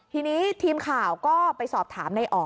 ทีนี้ทีมข่าวก็ไปสอบถามในอ๋อ